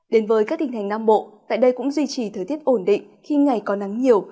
đến với các tỉnh thành nam bộ tại đây cũng duy trì thời tiết ổn định khi ngày có nắng nhiều